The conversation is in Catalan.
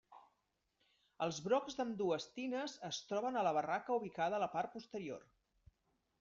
Els brocs d'ambdues tines es troben a la barraca ubicada a la part posterior.